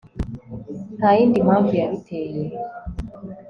nta yindi mpamvu yabiteye